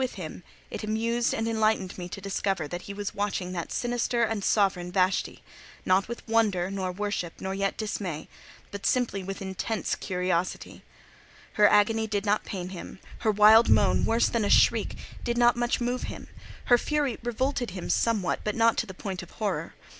When I took time and regained inclination to glance at him, it amused and enlightened me to discover that he was watching that sinister and sovereign Vashti, not with wonder, nor worship, nor yet dismay, but simply with intense curiosity. Her agony did not pain him, her wild moan—worse than a shriek—did not much move him; her fury revolted him somewhat, but not to the point of horror.